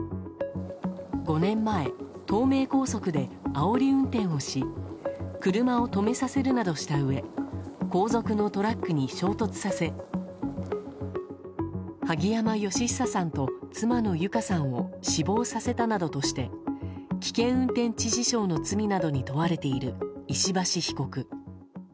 ５年前、東名高速であおり運転をし車を止めさせるなどしたうえ後続のトラックに衝突させ萩山嘉久さんと妻の友香さんを死亡させたなどとして危険運転致死傷の罪などに問われている石橋被告。